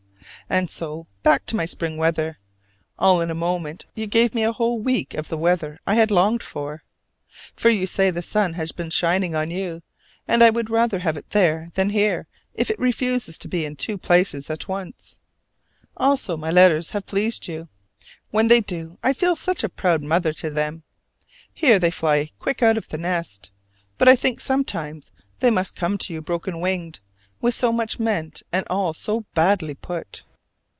And so back to my spring weather: all in a moment you gave me a whole week of the weather I had longed after. For you say the sun has been shining on you: and I would rather have it there than here if it refuses to be in two places at once. Also my letters have pleased you. When they do, I feel such a proud mother to them! Here they fly quick out of the nest; but I think sometimes they must come to you broken winged, with so much meant and all so badly put.